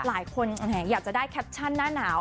หลายคนอยากจะได้แคปชั่นหน้าหนาว